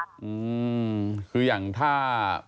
อืมคืออย่างถ้า